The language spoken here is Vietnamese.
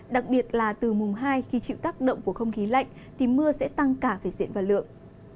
đặc biệt là từ mùng hai khi chịu tác động của không khí lạnh thì mưa sẽ tăng cả về diện và lượng